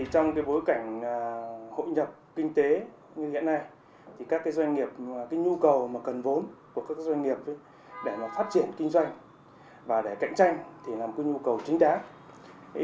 trong bối cảnh hội nhập kinh tế như hiện nay các doanh nghiệp nhu cầu cần vốn của các doanh nghiệp để phát triển kinh doanh và để cạnh tranh là một nhu cầu chính đáng